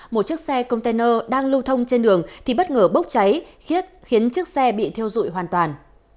một chiếc xe container đang lưu thông trên đường thì bất ngờ bốc cháy khiết khiến chiếc xe bị thiêu dụi hoàn toàn